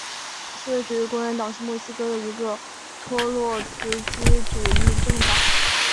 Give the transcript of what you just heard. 社会主义工人党是墨西哥的一个托洛茨基主义政党。